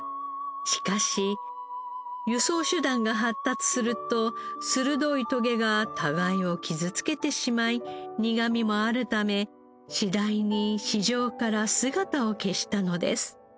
しかし輸送手段が発達すると鋭いトゲが互いを傷つけてしまい苦みもあるため次第に市場から姿を消したのです。